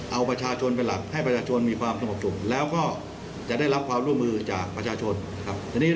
เอาประชาชนเป็นหลักให้ประชาชนมีความสมบัติ